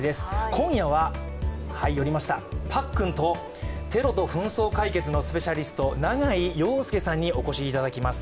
今夜は、パックンとテロと紛争解決のスペシャリスト、永井陽右さんにお越しいただきます。